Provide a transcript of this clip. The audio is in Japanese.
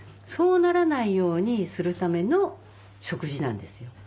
そうならないようにするための食事なんですよ。